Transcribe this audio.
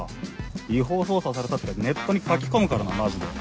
「違法捜査された」ってネットに書き込むからなマジで。